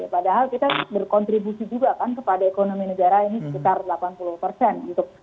padahal kita berkontribusi juga kan kepada ekonomi negara ini sekitar delapan puluh persen